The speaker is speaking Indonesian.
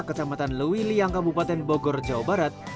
kecamatan lewiliang kabupaten bogor jawa barat